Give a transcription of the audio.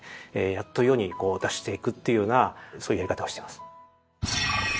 やっと世に出していくっていうようなそういうやり方をしてます。